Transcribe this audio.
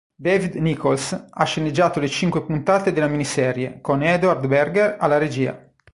David Nicholls ha sceneggiato le cinque puntate della miniserie, con Edward Berger alla regia.